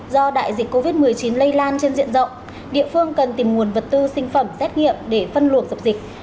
do đại dịch covid một mươi chín lây lan trên diện rộng địa phương cần tìm nguồn vật tư sinh phẩm xét nghiệm để phân luồng dập dịch